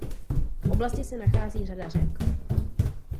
V oblasti se nachází řada řek.